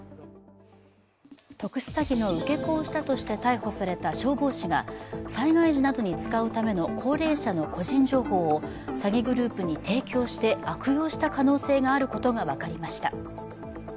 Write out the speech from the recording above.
特殊詐欺の受け子をしたとして逮捕された消防士が災害時などに使うための高齢者の個人情報を詐欺グループに提供して悪用した可能性があることが分かりました。